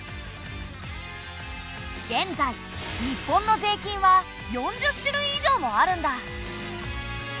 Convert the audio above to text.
現在日本の税金は４０種類以上もあるんだ！